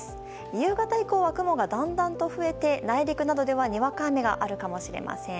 夕方以降は雲がだんだんと増えて内陸などではにわか雨があるかもしれません。